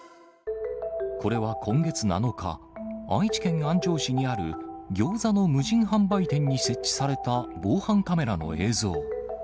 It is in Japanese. これは今月７日、愛知県安城市にあるギョーザの無人販売店に設置された防犯カメラの映像。